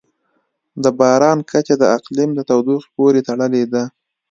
د باران کچه د اقلیم د تودوخې پورې تړلې ده.